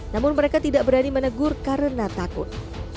namun mereka tidak berani menegur karena takut